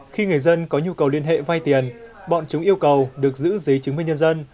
khi người dân có nhu cầu liên hệ vai tiền bọn chúng yêu cầu được giữ giấy chứng minh nhân dân